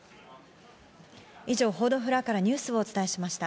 以上、報道フロアからニュースをお伝えしました。